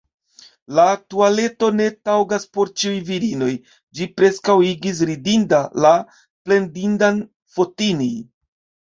La tualeto ne taŭgas por ĉiuj virinoj: ĝi preskaŭ igis ridinda la plendindan Fotini.